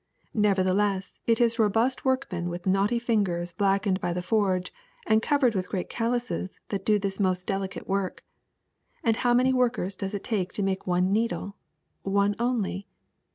Nevertheless it is robust workmen with knotty fingers blackened by the forge and covered with great calluses that do this most delicate work. And how many workers does it take to make one needle! — one only!